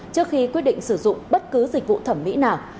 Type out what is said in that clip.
trước khi quyết định sử dụng bất cứ dịch vụ thẩm mỹ nào